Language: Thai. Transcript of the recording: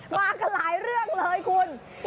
มากันหลายเรื่องเลยคุณ